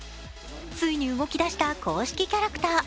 ついに動き出した公式キャラクター。